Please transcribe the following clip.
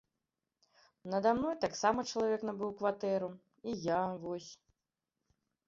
Нада мной таксама чалавек набыў кватэру, і я вось.